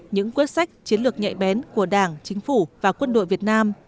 những quyết sách chiến lược nhạy bén của đảng chính phủ và quân đội việt nam